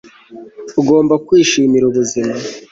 ugomba kwishimira ubuzima